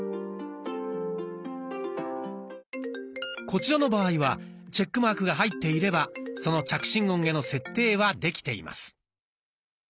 こちらの場合はチェックマークが入っていればその着信音への設定はできています。